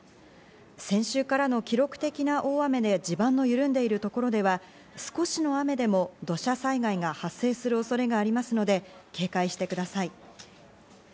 先週からの記録的な大雨で地盤の緩んでいるところでは少しの雨でも土砂災害が発生する恐れがありますので警戒してください。